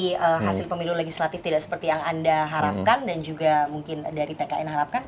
oke tapi seandainya nanti hasil pemilu legislatif tidak seperti yang anda harapkan dan juga mungkin dari tkn harapkan